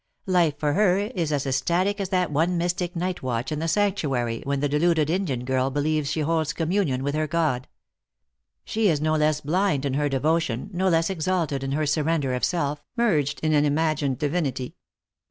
Life for her is as ecstatic as that one mystic night watch in the sanctuary when the deluded Indian girl believes she holds communion with her god. She is no less blind in her devotion, no less exalted in her surrender of self, merged in an imagined divinity.